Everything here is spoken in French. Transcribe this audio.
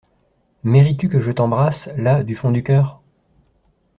Mérites-tu que je t’embrasse, la, du fond du cœur ?